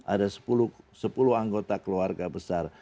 ada sepuluh anggota keluarga besar